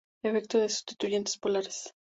Efecto de sustituyentes polares